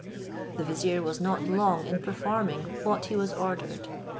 The vizier was not long in performing what he was ordered.